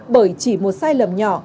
bởi chỉ một sai lầm nhỏ